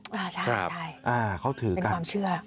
ใช่เป็นความเชื่อ